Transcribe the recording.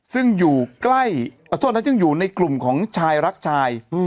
ซึ่งอยู่ใกล้โทษนะยังอยู่ในกลุ่มของชายรักชาย